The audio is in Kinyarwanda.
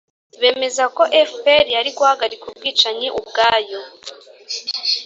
bemezagako fpr yari guhagarika ubwicanyi ubwayo,